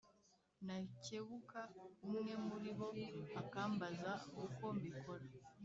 Nakebuka umwe muli bo akambaza uko mbikora